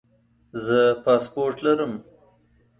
زه پاسپورټ لرم